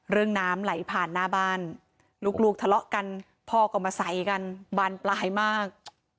น้ำไหลผ่านหน้าบ้านลูกทะเลาะกันพ่อก็มาใส่กันบานปลายมาก